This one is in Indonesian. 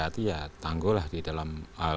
berarti ya tanggulah di dalam